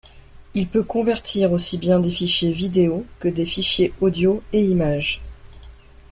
Il peut convertir aussi bien des fichiers vidéo que des fichiers audio et image.